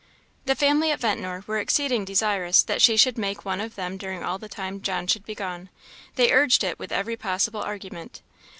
The family at Ventnor were exceeding desirous that she should make one of them during all the time John should be gone; they urged it with every possible argument.